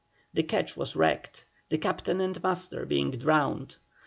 The quetch was wrecked, the captain and master being drowned.